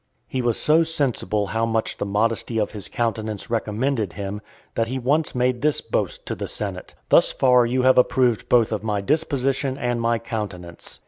He was so sensible how much the modesty of his countenance recommended him, that he once made this boast to the senate, "Thus far you have approved both of my disposition and my countenance."